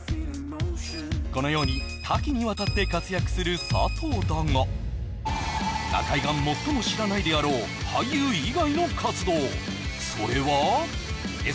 このように多岐にわたって活躍する佐藤だが中居が最も知らないであろう俳優以外の活動